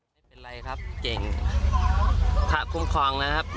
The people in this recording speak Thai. ตอนนี้หวัดเหตุนะครับ